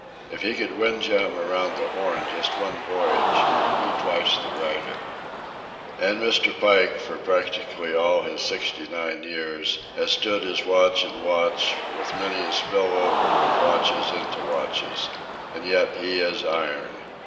If he could wind jam around the Horn just one voyage he would be twice the writer. And Mr. Pike, for practically all of his sixty nine years, has stood his watch and watch, with many a spill over of watches into watches. And yet he is iron.